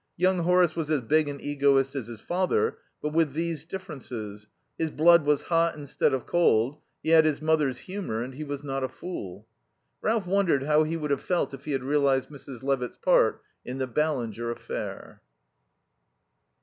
Young Horace was as big an egoist as his father, but with these differences: his blood was hot instead of cold, he had his mother's humour, and he was not a fool. Ralph wondered how he would have felt if he had realized Mrs. Levitt's part in the Ballinger affair.